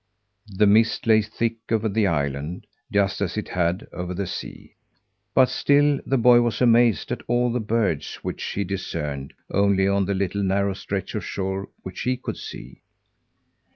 The mist lay thick over the island, just as it had over the sea. But still the boy was amazed at all the birds which he discerned, only on the little narrow stretch of shore which he could see.